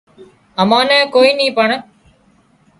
امان نين ڪوئي نِي پڻ